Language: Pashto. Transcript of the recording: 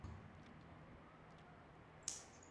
زردالو د افغانستان د اقلیمي نظام یوه لویه ښکارندوی ده.